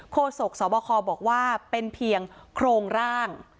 โศกสบคบอกว่าเป็นเพียงโครงร่าง